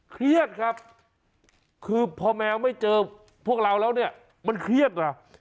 เครียดครับคือพอแมวไม่เจอพวกเราแล้วเนี่ยมันเครียดนะ